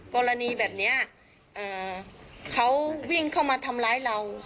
กรณีแบบนี้เขาวิ่งเข้ามาทำร้ายเรา